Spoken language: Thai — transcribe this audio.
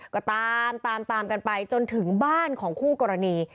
ก็ตามตามกันไปจนถึงบ้านของคู่กรณี